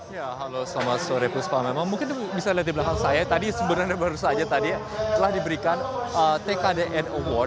ya halo selamat sore puspa memang mungkin bisa dilihat di belakang saya tadi sebenarnya baru saja tadi telah diberikan tkdn award